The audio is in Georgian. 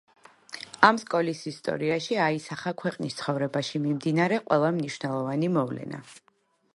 ამ სკოლის ისტორიაში აისახა ქვეყნის ცხოვრებაში მიმდინარე ყველა მნიშვნელოვანი მოვლენა.